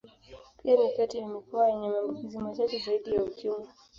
Pia ni kati ya mikoa yenye maambukizi machache zaidi ya Ukimwi.